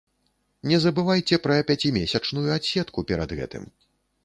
Не забывайце пра пяцімесячную адседку перад гэтым.